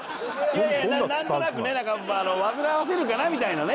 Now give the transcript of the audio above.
いやいやなんとなくね煩わせるかなみたいなね。